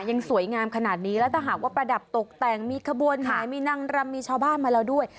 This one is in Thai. ยังสวยงามขนาดนี้แล้วถ้าหากว่าประดับตกแต่งมีขบวนแห่มีนางรำมีชาวบ้านมาแล้วด้วย